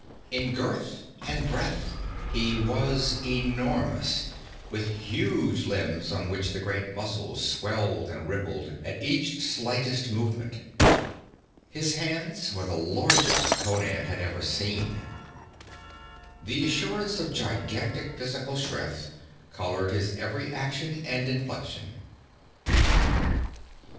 In girth and breadth he was enormous, with huge limbs on which the great muscles swelled and rippled at each slightest movement. His hands were the largest Conan had ever seen. The assurance of gigantic physical strength colored his every action and inflection.